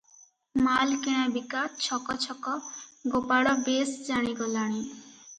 ମାଲ କିଣା ବିକା ଛକ ଛକ ଗୋପାଳ ବେଶ ଜାଣିଗଲାଣି ।